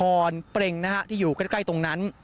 กล่อนเฟรงที่อยู่ใกล้ตรงนั้น